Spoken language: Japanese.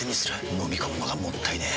のみ込むのがもったいねえ。